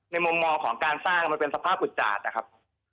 มุมมองของการสร้างมันเป็นสภาพอุจจาดนะครับ